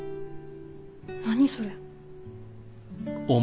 何それ。